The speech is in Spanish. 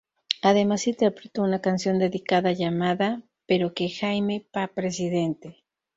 Además interpretó una canción dedicada llamada "Pero que Jaime pa’ presidente".